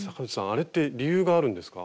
あれって理由があるんですか？